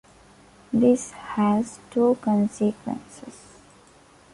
This has two consequences.